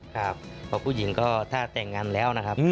ครับเพราะผู้หญิงก็ถ้าแต่งงานแล้วนะครับ